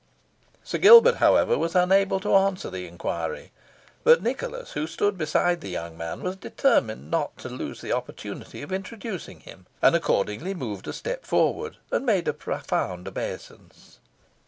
Sir Gilbert, however, was unable to answer the inquiry; but Nicholas, who stood beside the young man, was determined not to lose the opportunity of introducing him, and accordingly moved a step forward, and made a profound obeisance.